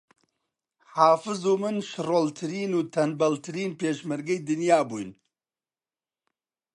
حافز و من شڕۆڵترین و تەنبەڵترین پێشمەرگەی دنیا بووین